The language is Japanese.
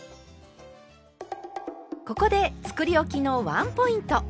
ここでつくりおきのワンポイント。